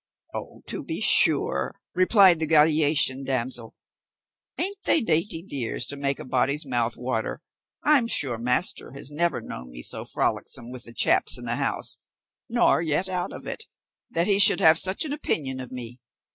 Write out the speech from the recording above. "Oh, to be sure!" replied the Gallician damsel; "a'nt they dainty dears to make a body's mouth water? I'm sure master has never known me so frolicksome with the chaps in the house, nor yet out of it, that he should have such an opinion of me.